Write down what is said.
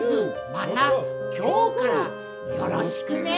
また今日からよろしくね。